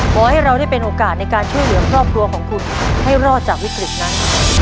ขอให้เราได้เป็นโอกาสในการช่วยเหลือครอบครัวของคุณให้รอดจากวิกฤตนั้น